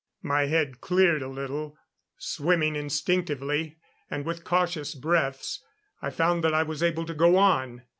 My head cleared a little; swimming instinctively, and with cautious breaths, I found that I was able to go on.